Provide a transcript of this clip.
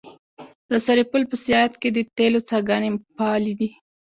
د سرپل په صیاد کې د تیلو څاګانې فعالې دي.